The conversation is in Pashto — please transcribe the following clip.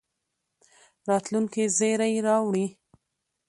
راتلونکي زېری راوړي.